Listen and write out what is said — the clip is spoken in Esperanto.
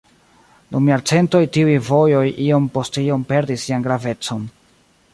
Dum jarcentoj tiuj vojoj iom post iom perdis sian gravecon.